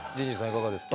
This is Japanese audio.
いかがですか？